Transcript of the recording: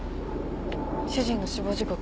主人の死亡時刻